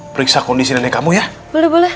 periksa kondisi nenek kamu ya boleh boleh